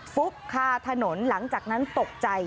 ฟุบคาถนนหลังจากนั้นตกใจ